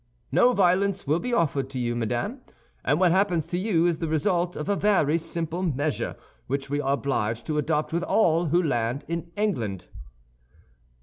"No violence will be offered to you, madame, and what happens to you is the result of a very simple measure which we are obliged to adopt with all who land in England."